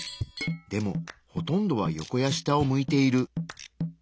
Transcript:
でもほとんどは横や下を向いている。